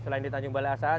selain di tanjung balai asahan